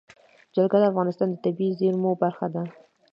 جلګه د افغانستان د طبیعي زیرمو برخه ده.